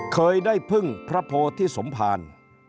เคยได้พึ่งพระโพธิสมภาร